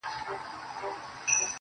ستا د دوو هنديو سترگو صدقې ته_